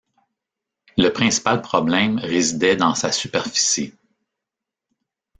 Le principal problème résidait dans sa superficie.